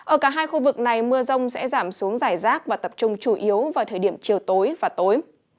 ở cả hai khu vực này mưa rông sẽ giảm xuống giải rác và tập trung chủ yếu vào thời điểm chiều tối và tối